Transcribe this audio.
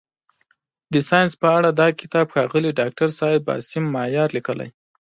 د ساینس په اړه دا کتاب ښاغلي داکتر صاحب عاصم مایار لیکلی.